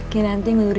ki nanti ngelurin diri